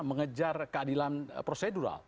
mengejar keadilan prosedural